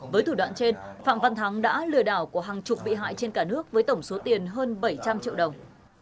với thủ đoạn trên phạm văn thắng đã lừa đảo của hàng chục bị hại trên cả nước với tổng số tiền hơn bảy trăm linh triệu đồng